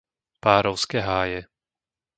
Párovské Háje